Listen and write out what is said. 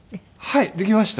はいできました。